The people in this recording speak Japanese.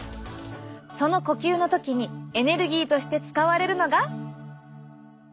その呼吸の時にエネルギーとして使われるのが。